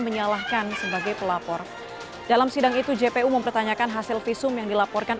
menyalahkan sebagai pelapor dalam sidang itu jpu mempertanyakan hasil visum yang dilaporkan